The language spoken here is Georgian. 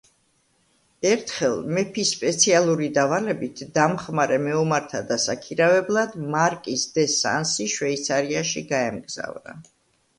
ერთხელ, მეფის სპეციალური დავალებით, დამხმარე მეომართა დასაქირავებლად მარკიზ დე სანსი შვეიცარიაში გაემგზავრა.